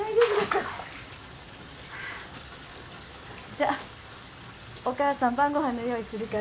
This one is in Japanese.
じゃあお母さん晩ご飯の用意するから。